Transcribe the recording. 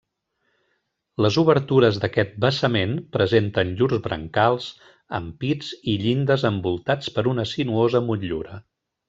Les obertures d'aquest basament presenten llurs brancals, ampits i llindes envoltats per una sinuosa motllura.